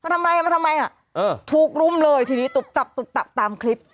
ทำอะไรมาทำไมอ่ะเออถูกรุมเลยทีนี้ตุ๊บตับตุบตับตามคลิป